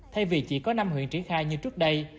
thay vì chỉ có năm huyện triển khai như trước đây